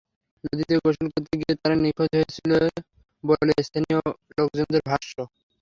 নদীতে গোসল করতে গিয়ে তারা নিখোঁজ হয়েছিল বলে স্থানীয় লোকজনের ভাষ্য।